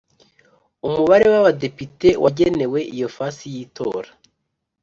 umubare w Abadepite wagenewe iyo fasi y itora